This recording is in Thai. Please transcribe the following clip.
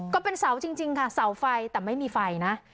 ก็เป็นเสาจริงค่ะเสาไฟแต่ไม่มีไฟนะ